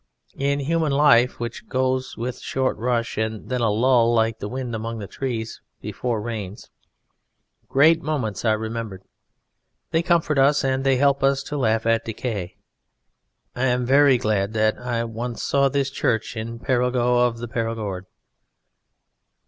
In human life, which goes with a short rush and then a lull, like the wind among trees before rains, great moments are remembered; they comfort us and they help us to laugh at decay. I am very glad that I once saw this church in Perigeux of the Perigord.